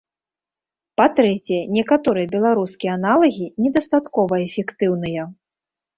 Па-трэцяе, некаторыя беларускія аналагі недастаткова эфектыўныя.